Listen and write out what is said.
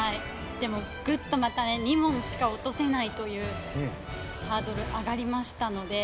でもグッとまたね２問しか落とせないというハードル上がりましたので。